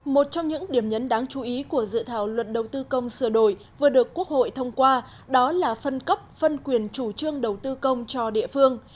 một trong những điểm nhấn đáng chú ý của dự thảo luật đầu tư công sửa đổi vừa được quốc hội thông qua đó là phân cấp phân quyền chủ trương đầu tư công cho địa phương